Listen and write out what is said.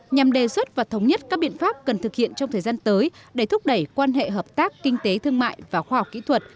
nhằm đề xuất và thống nhất các biện pháp cần thực hiện trong thời gian tới để thúc đẩy quan hệ hợp tác kinh tế thương mại và khoa học kỹ thuật